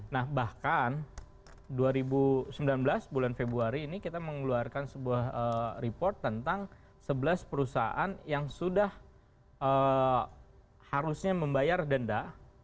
nah bahkan dua ribu sembilan belas bulan februari ini kita mengeluarkan sebuah report tentang sebelas perusahaan yang sudah harusnya membayar denda